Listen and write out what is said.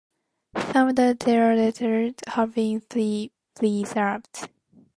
Some of their letters have been preserved.